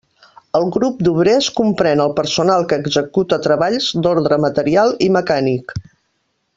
El grup d'Obrers comprèn el personal que executa treballs d'ordre material i mecànic.